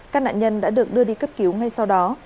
các nạn nhân đã được đưa đi cấp cứu ngay sau đó